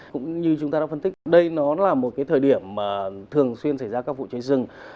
cũng như chúng ta đã phân tích đây là một thời điểm thường xuyên xảy ra các vụ cháy rừng